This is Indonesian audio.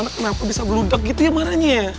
kenapa bisa beludek gitu ya marahnya ya